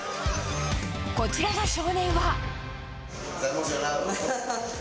こちらの少年は。